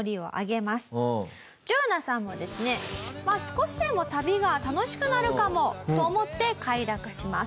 ジョアナさんもですね少しでも旅が楽しくなるかもと思って快諾します。